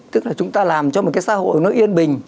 tức là chúng ta làm cho một cái xã hội nó yên bình